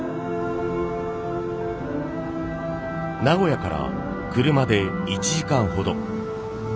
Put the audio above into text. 名古屋から車で１時間ほど。